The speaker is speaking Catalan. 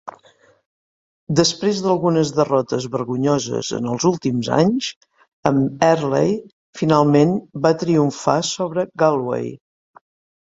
Després d'algunes derrotes vergonyoses en els últims anys, amb Earley finalment va triomfar sobre Galway.